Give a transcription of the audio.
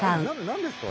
何ですか？